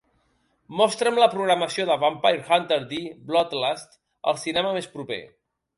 Mostra'm la programació de Vampire Hunter D: Bloodlust al cinema més proper